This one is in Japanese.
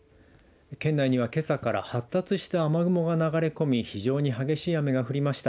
県内には、けさから発達した雨雲が流れ込み非常に激しい雨が降りました。